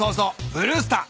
ブルースター。